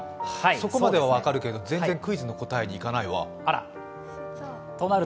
そこまでは分かるけど、全然クイズの答えに行かないわ。